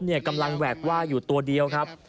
กำลังแหวกว่าอยู่ตัวเดียวครับ